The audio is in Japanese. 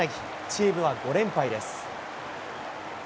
チームは５連敗です。